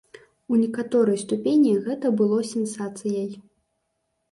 У некаторай ступені гэта было сенсацыяй.